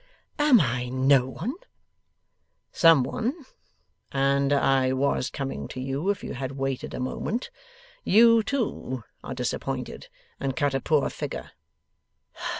'Am I no one?' 'Some one and I was coming to you, if you had waited a moment. You, too, are disappointed and cut a poor figure.